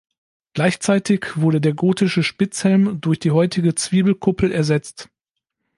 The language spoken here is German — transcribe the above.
Gleichzeitig wurde der gotische Spitzhelm durch die heutige Zwiebelkuppel ersetzt.